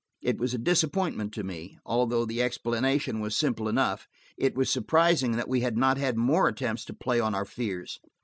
It was a disappointment to me, although the explanation was simple enough. It was surprising that we had not had more attempts to play on our fears.